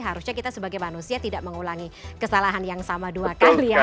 harusnya kita sebagai manusia tidak mengulangi kesalahan yang sama dua kali ya